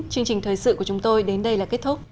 chương trình thời sự của chúng tôi đến đây là kết thúc